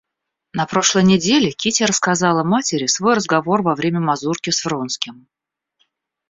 На прошлой неделе Кити рассказала матери свой разговор во время мазурки с Вронским.